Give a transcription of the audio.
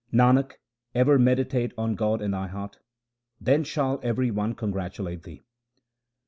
Nanak, ever meditate on God in thy heart, then shall every one congratulate thee.